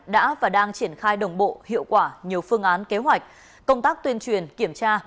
đã và đang triển khai đồng bộ hiệu quả nhiều phương án kế hoạch công tác tuyên truyền kiểm tra